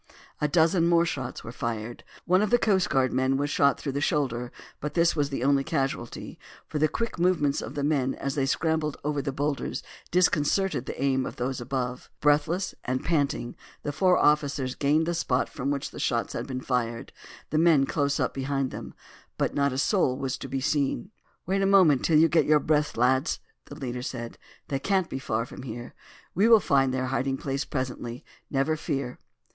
A dozen more shots were fired. One of the coast guard men was shot through the shoulder; but this was the only casualty, for the quick movements of the men as they scrambled over the boulders disconcerted the aim of those above. Breathless and panting the four officers gained the spot from which the shots had been fired, the men close up behind them; but not a soul was to be seen. "Wait a moment till you get breath, lads," their leader said. "They can't be far from here. We will find their hiding place presently, never fear."